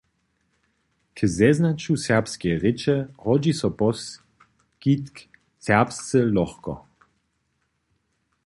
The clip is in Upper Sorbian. K zeznaću serbskeje rěče hodźi so poskitk „Serbsce lochko“.